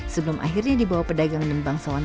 sebelum akhirnya dibawa pedagang dan bangsawan